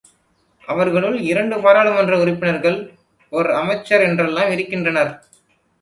அவர்களுள் இரண்டு பாராளுமன்ற உறுப்பினர்கள், ஒர் அமைச்சர் என்றெல்லாம் இருக்கின்றனர்.